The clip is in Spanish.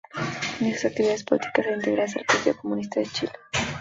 Inició sus actividades políticas al integrarse al Partido Comunista de Chile.